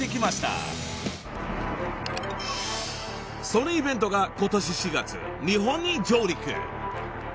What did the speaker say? ［そのイベントがことし４月日本に上陸］